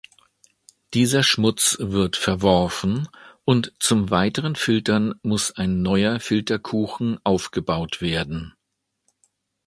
Dieser Schmutz wird verworfen, und zum weiteren Filtern muss ein neuer Filterkuchen aufgebaut werden.